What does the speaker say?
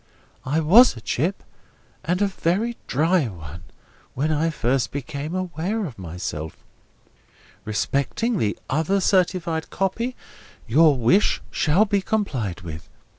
I was a chip—and a very dry one—when I first became aware of myself. Respecting the other certified copy, your wish shall be complied with.